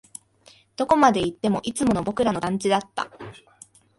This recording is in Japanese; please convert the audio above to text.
どこまで行っても、いつもの僕らの団地だった